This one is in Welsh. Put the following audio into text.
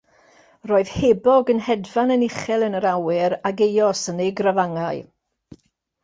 Roedd hebog yn hedfan yn uchel yn yr awyr ag eos yn ei grafangau.